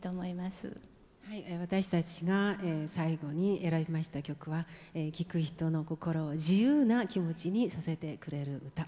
私たちが最後に選びました曲は聴く人の心を自由な気持ちにさせてくれる歌。